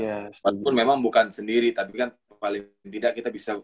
walaupun memang bukan sendiri tapi kan paling tidak kita bisa